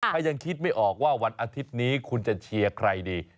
ถ้ายังคิดไม่ออกว่าวันอาทิตย์นี้คุณจะเชียร์ใครดี